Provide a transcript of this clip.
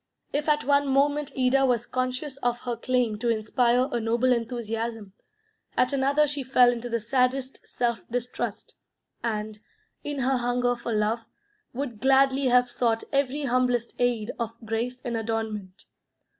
If at one moment Ida was conscious of her claim to inspire a noble enthusiasm, at another she fell into the saddest self distrust, and, in her hunger for love, would gladly have sought every humblest aid of grace and adornment.